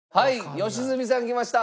良純さんきました。